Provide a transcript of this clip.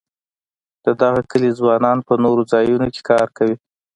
د دغه کلي ځوانان په نورو ځایونو کې کار کوي.